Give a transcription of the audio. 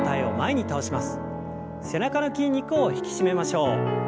背中の筋肉を引き締めましょう。